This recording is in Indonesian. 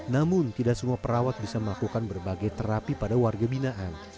namun tidak semua perawat bisa melakukan berbagai terapi pada warga binaan